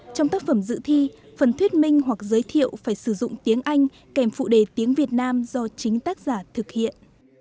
trong tác phẩm dự thi phần thuyết minh hoặc giới thiệu phải sử dụng tiếng anh kèm phụ đề tiếng việt nam do chính tác giả thực hiện